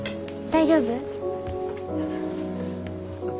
大丈夫や。